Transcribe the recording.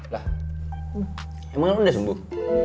lah emang kamu udah sembuh